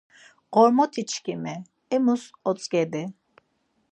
Ğormotiçkimi, amus otzǩedi.